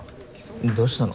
どうしたの？